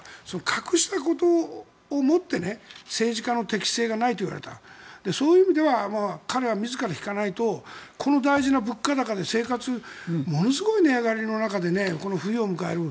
隠したことをもって政治家の適性がないといわれたそういう意味では彼は自ら引かないとこの大事な物価高で生活ものすごい値上がり中でこの冬を迎える。